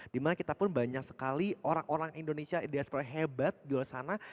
dimana kita pun banyak sekali orang orang indonesia diasporanya hebat di luar sana